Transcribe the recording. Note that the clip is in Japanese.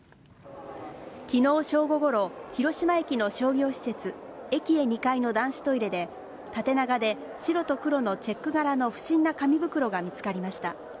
昨日正午ごろ広島駅の商業施設エキエ２階の男子トイレで縦長で白と黒のチェック柄の不審な紙袋が見つかりました。